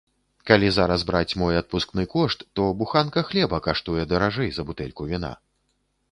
Калі зараз браць мой адпускны кошт, то буханка хлеба каштуе даражэй за бутэльку віна.